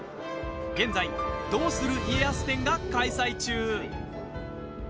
現在「どうする家康展」が開催中。